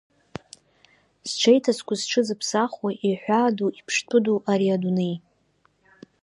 Зҽеиҭазкуа зҽызыԥсахуа, иҳәаадоу иԥштәыдоу, ари адунеи…